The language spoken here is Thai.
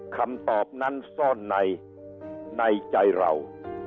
คำตอบนั้นซ่อนในในใจเรา